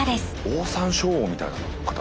オオサンショウウオみたいな形。